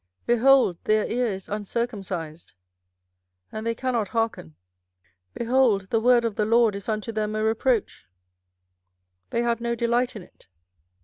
behold, their ear is uncircumcised, and they cannot hearken: behold, the word of the LORD is unto them a reproach; they have no delight in it.